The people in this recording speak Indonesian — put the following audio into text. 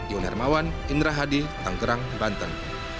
ion hermawan indra hadi tanggerang banten